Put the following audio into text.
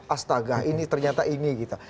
astagah ini ternyata ini gitu